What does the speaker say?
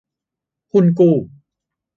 หุ้นกู้